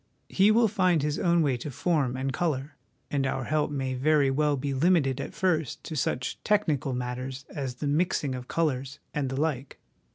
He will find his own way to form and colour, and our help may very well be limited at first to such technical matters as the mixing of colours and the like.